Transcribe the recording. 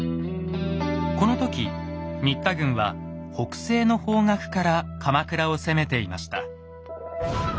この時新田軍は北西の方角から鎌倉を攻めていました。